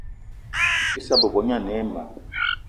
Issa bebo gne ane ayi ma